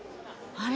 あれ？